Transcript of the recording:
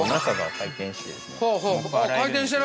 ◆回転してる！